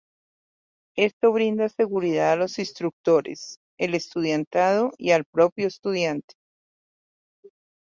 Esto brinda seguridad a los instructores, el estudiantado y al propio estudiante.